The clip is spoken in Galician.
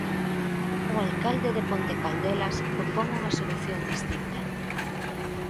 O alcalde de Ponte Caldelas propón unha solución distinta.